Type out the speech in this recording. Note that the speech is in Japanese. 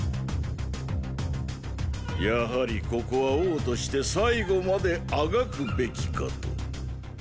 やはりここは王として最後まであがくべきかと。